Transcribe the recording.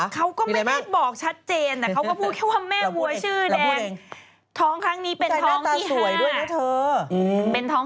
เขาก็ไม่ได้บอกชัดเจนแต่เขาก็พูดแค่ว่าแม่วัวชื่อแดง